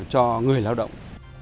cho người lao động